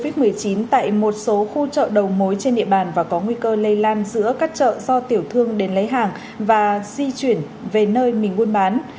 và các ca bệnh covid một mươi chín tại một số khu chợ đầu mối trên địa bàn và có nguy cơ lây lan giữa các chợ do tiểu thương đến lấy hàng và di chuyển về nơi mình muôn bán